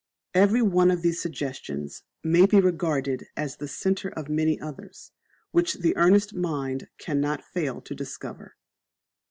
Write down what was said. Every one of these Suggestions may be regarded as the centre of many others, which the earnest mind cannot fail to discover.